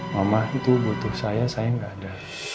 mama itu butuh saya saya gak ada